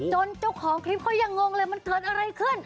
เจ้าของคลิปเขายังงงเลยมันเกิดอะไรขึ้น